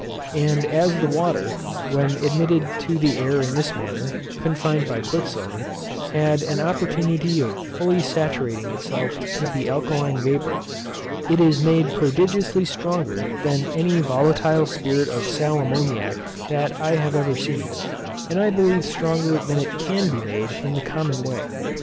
And as the water, when admitted to the air in this manner, confined by quicksilver, has an opportunity of fully saturating itself with the alkaline vapour, it is made prodigiously stronger than any volatile spirit of sal ammoniac that I have ever seen; and I believe stronger than it can be made in the common way.